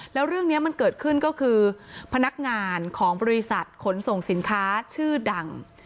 แล้วเรื่องนี้มันเกิดขึ้นก็คือพนักงานของบริษัทขนส่งสินค้าชื่อดัง